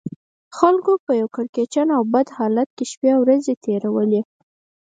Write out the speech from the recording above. خلکو په یو کړکېچن او بد حالت کې شپې او ورځې تېرولې.